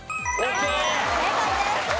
正解です。